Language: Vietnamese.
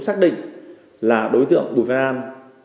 xác định là đối tượng bùi văn an